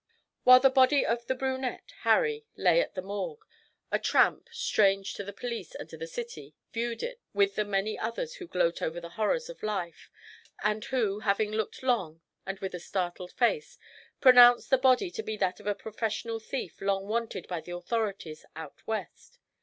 While the body of 'the brunette,' Harry, lay at the Morgue, a tramp, strange to the police and to the city, viewed it with the many others who gloat over the horrors of life, and who, having looked long, and with a startled face, pronounced the body to be that of a professional thief long wanted by the authorities 'out West.'